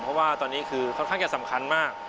เพราะว่าตอนนี้คือค่อนข้างจะสำคัญมาก